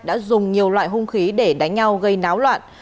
đã dùng nhiều loại hung khí để đánh nhau gây náo loạn